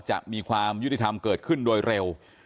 จะมีความยุติธรรมเกิดขึ้นโดยเร็ว